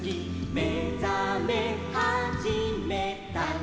「めざめはじめた」「」